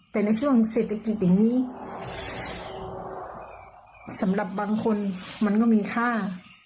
แต่ในช่วงเศรษฐกิจอย่างนี้สำหรับบางคนมันก็มีค่า